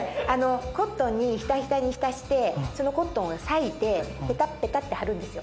コットンにひたひたに浸してそのコットンを割いてペタペタって貼るんですよ。